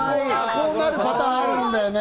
こうなるパターンあるんだよね。